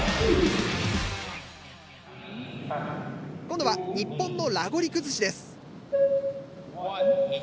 今度は日本のラゴリ崩しです。